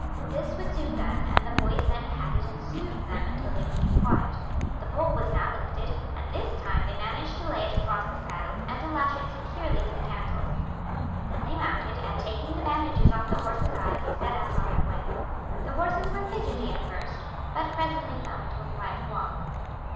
This was soon done, and the boys then patted and soothed them until they became quiet. The pole was now lifted, and this time they managed to lay it across the saddles and to lash it securely to the cantles. Then they mounted, and taking the bandages off the horses' eyes set out on their way. The horses were fidgety at first, but presently fell into a quiet walk.